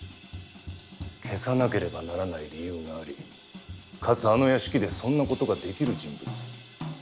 消さなければならない理由がありかつあの屋敷でそんな事ができる人物。